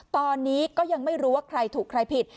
ตอนนี้ก็ยังไม่รู้ว่าใครถูกใครผิด